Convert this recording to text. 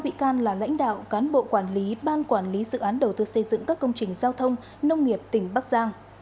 một bị can là lãnh đạo cán bộ quản lý ban quản lý dự án đầu tư xây dựng các công trình giao thông nông nghiệp tỉnh bắc giang